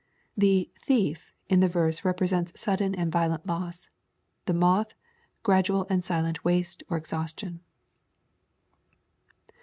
The " thief in the verse represents sudden and violent loss, the "moth" gradual and silent waste or exhaustion.